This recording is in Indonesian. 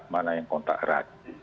mana yang kontak erat